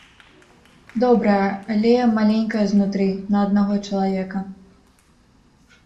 Добрая, але маленькая знутры, на аднаго чалавека.